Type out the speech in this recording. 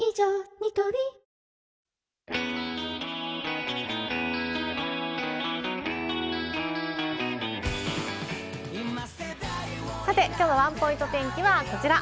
ニトリきょうのワンポイント天気はこちら。